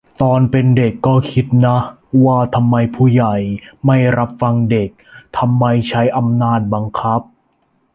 ตอนเป็นเด็กก็คิดนะ ว่าทำไมผู้ใหญ่ไม่รับฟังเด็ก ทำไมใช้อำนาจบังคับ